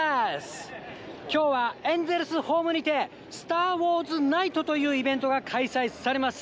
きょうはエンゼルスホームにて、スター・ウォーズナイトというイベントが開催されます。